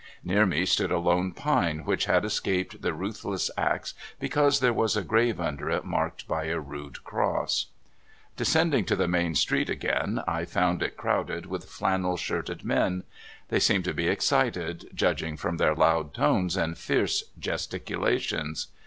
Near me stood a lone pine which had escaped the ruthless ax because there was a grave under it marked by a rude cross. Descending to the main street again, I found it crowded with flannel shirted men. They seemed to be excited, judging from their loud tones and fierce gesticulations.